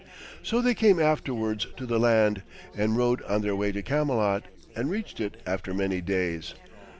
So they came afterwards to the land, and rode on their way to Camelot, and reached it after many days.